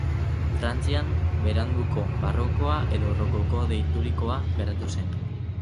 Frantzian, beranduko barrokoa edo rokoko deiturikoa garatu zen.